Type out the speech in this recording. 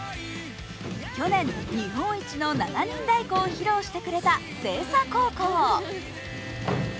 去年、日本一の七人太鼓を披露してくれた星槎高校。